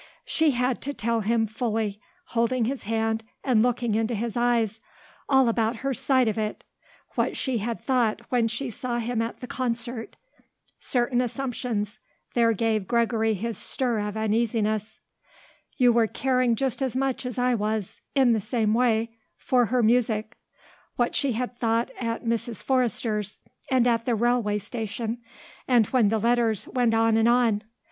She had to tell him fully, holding his hand and looking into his eyes, all about her side of it; what she had thought when she saw him at the concert certain assumptions there gave Gregory his stir of uneasiness "You were caring just as much as I was in the same way for her music"; what she had thought at Mrs. Forrester's, and at the railway station, and when the letters went on and on.